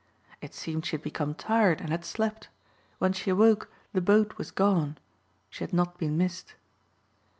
It seemed she had become tired and had slept. When she awoke the boat was gone; she had not been missed.